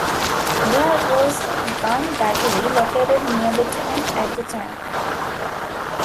There was a gun battery located near the town at the time.